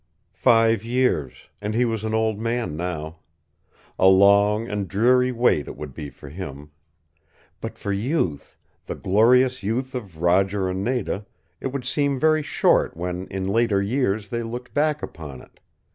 Five years, and he was an old man now. A long and dreary wait it would be for him. But for youth, the glorious youth of Roger and Nada, it would seem very short when in later years they looked back upon it.